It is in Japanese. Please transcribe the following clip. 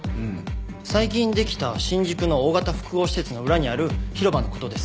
最近できた新宿の大型複合施設の裏にある広場の事です。